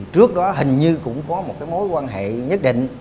trước đó hình như cũng có một mối quan hệ nhất định